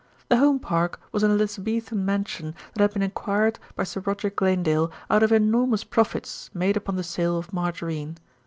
The Home Park was an Elizabethan mansion that had been acquired by Sir Roger Glanedale out of enormous profits made upon the sale of margarine.